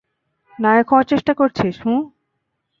নায়ক হওয়ার চেষ্টা করছিস, হুহ?